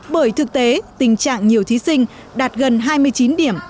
bởi thực tế tình trạng nhiều thí sinh đạt gần hai mươi chín điểm